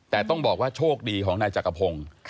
แต่ต้องบอกว่าโชคดีของนายจักรพงศ์